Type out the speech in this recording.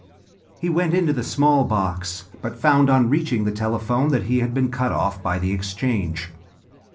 He went into the small box, but found on reaching the telephone that he had been cut off by the exchange.